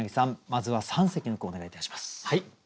まずは三席の句をお願いいたします。